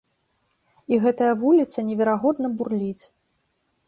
І гэтая вуліца неверагодна бурліць.